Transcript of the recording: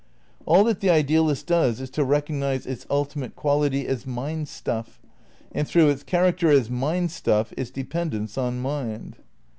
All that the idealist does is to recognise its ultimate quality as mind stuff, and through its char acter as mind stuff its dependence on mind.